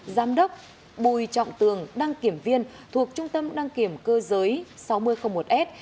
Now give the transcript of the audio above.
giám đốc bùi trọng tường đăng kiểm viên thuộc trung tâm đăng kiểm cơ giới sáu nghìn một s